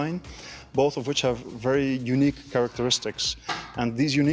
kedua duanya memiliki karakteristik yang sangat unik